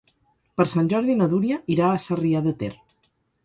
Per Sant Jordi na Dúnia irà a Sarrià de Ter.